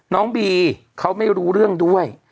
น้องบีเขาไม่รู้เรื่องด้วย